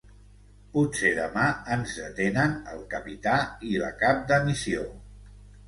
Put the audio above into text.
Potser demà ens detenen al capità i la cap de missió.